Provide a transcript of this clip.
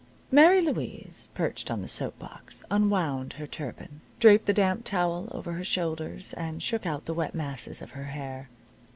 Mary Louise, perched on the soap box, unwound her turban, draped the damp towel over her shoulders, and shook out the wet masses of her hair.